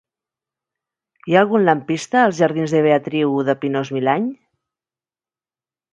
Hi ha algun lampista als jardins de Beatriu de Pinós-Milany?